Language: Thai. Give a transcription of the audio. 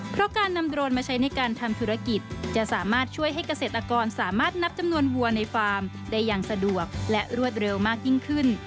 เพราะการนำโดรนมาใช้ในการทำธุรกิจจะสามารถช่วยให้เกษตรกรสามารถนับจำนวนวัวในฟาร์มได้อย่างสะดวกและรวดเร็วมากยิ่งขึ้น